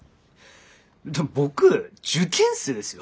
でも僕受験生ですよ？